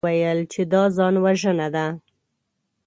ويې ويل چې دا ځانوژنه ده.